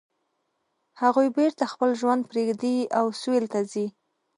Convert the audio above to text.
هغوی بیرته خپل ژوند پریږدي او سویل ته ځي